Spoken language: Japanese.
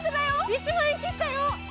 １万円切ったよ！